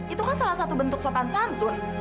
itu kan salah satu bentuk sopan santun